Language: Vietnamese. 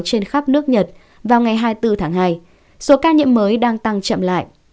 trên khắp nước nhật vào ngày hai mươi bốn tháng hai số ca nhiễm mới đang tăng chậm lại